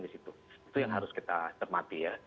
di situ itu yang harus kita cermati ya